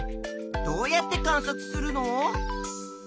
どうやって観察するの？